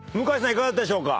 いかがでしょうか？